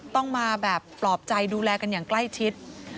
ต้องมาแบบปลอบใจดูแลกันอย่างใกล้ชิด